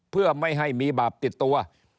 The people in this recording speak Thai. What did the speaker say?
เพื่อไม่ให้มีบาปติดตัว